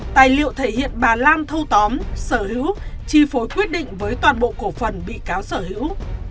tài liệu thể hiện bà lan thâu tóm sở hữu chi phối quyết định với toàn bộ cổ phần bị cáo sở hữu